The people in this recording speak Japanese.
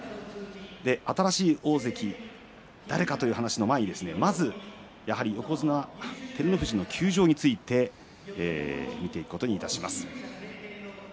新しい大関誰かという話の前にまず、横綱照ノ富士の休場について見ていくことにいたします。